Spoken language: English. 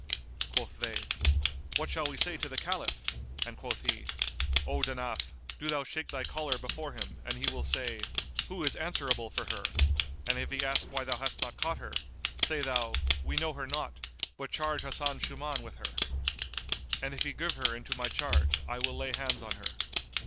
Quoth they, "What shall we say to the Caliph?"; and quoth he, "O Danaf, do thou shake thy collar before him, and he will say, 'Who is answerable for her'; and if he ask why thou hast not caught her; say thou, 'We know her not; but charge Hasan Shuman with her.' And if he give her into my charge, I will lay hands on her."